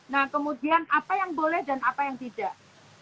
nah kemudian apa yang boleh dan apa yang tidak